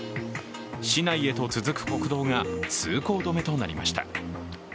市内へと続く国道が通行止めとなりました。